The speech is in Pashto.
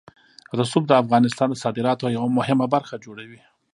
رسوب د افغانستان د صادراتو یوه مهمه برخه جوړوي.